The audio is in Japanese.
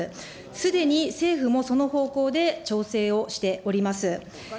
すでに政府もその方向で調整をしております。